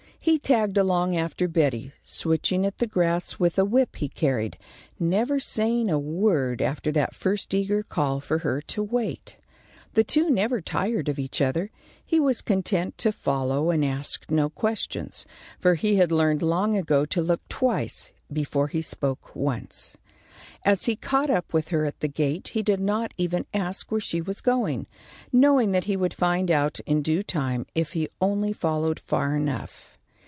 He tagged along after Betty, switching at the grass with a whip he carried, never saying a word after that first eager call for her to wait. The two never tired of each other. He was content to follow and ask no questions, for he had learned long ago to look twice before he spoke once. As he caught up with her at the gate, he did not even ask where she was going, knowing that he would find out in due time if he only followed far enough.